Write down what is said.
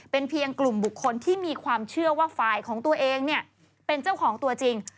เป็นเพียงกลุ่มบุคคลที่มีความเชื่อว่าฝ่ายของตัวเองเนี่ยเป็นเจ้าของตัวจริง